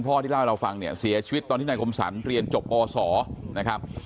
ที่เล่าให้เราฟังเนี่ยเสียชีวิตตอนที่นายคมสรรเรียนจบปศนะครับ